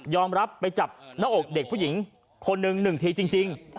ยอมรับไปจับหน้าอกเด็กผู้หญิงคนหนึ่งหนึ่งทีจริงจริง